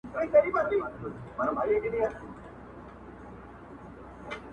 د یارانو مو یو یو دادی کمېږي,